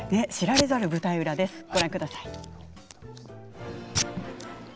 知られざる舞台裏です。